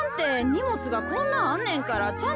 にもつがこんなんあんねんからちゃんとあるき。